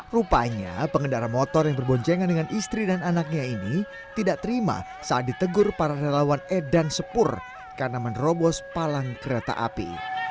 rupanya pengendara motor yang berboncengan dengan istri dan anaknya ini tidak terima saat ditegur para relawan edan sepur karena menerobos palang kereta api